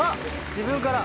自分から。